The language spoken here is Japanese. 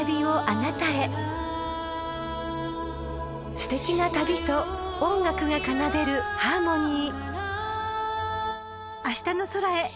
［すてきな旅と音楽が奏でるハーモニー］